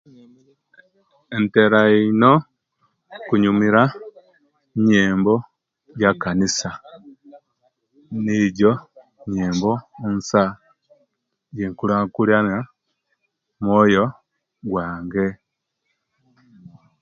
Ntera ino okunyumira enyembo eje'kanisa nijo enyembo ensa jikulakulana omwoyo gwange